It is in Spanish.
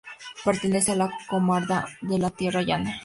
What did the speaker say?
Pertenece a la comarca de la Tierra Llana.